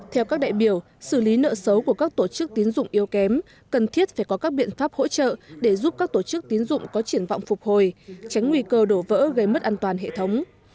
theo các đại biểu xử lý nợ xấu của các tổ chức tín dụng yếu kém cần thiết phải có các biện pháp hỗ trợ để giúp các tổ chức tín dụng có triển vọng phục hồi tránh nguy cơ đổ vỡ gây mất an toàn hệ thống